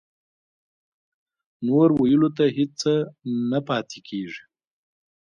نور ویلو ته هېڅ څه نه پاتې کېږي